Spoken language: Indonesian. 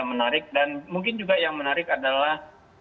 menarik dan mungkin juga yang menarik adalah